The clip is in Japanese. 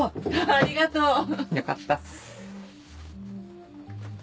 ありがとう！よかったっす。